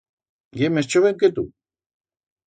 Ye mes choven que tu?